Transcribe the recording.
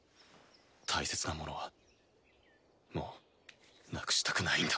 大切なものはもうなくしたくないんだ。